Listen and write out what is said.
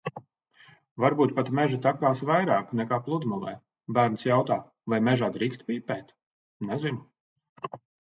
Varbūt pat meža takās vairāk, nekā pludmalē. Bērns jautā: "Vai mežā drīkst pīpēt?" Nezinu.